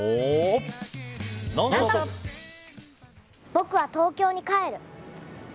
僕は東京に帰る！